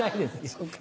そうか。